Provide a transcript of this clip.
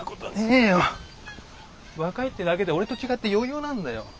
若いってだけで俺と違って余裕なんだよ。